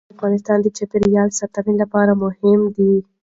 لعل د افغانستان د چاپیریال ساتنې لپاره مهم دي.